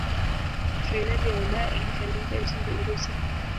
fainali ya ulaya ilifanyika nchini urusi